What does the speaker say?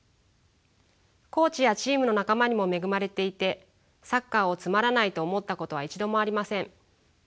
コーチやチームの仲間にも恵まれていてサッカーをつまらないと思ったことは一度もありません。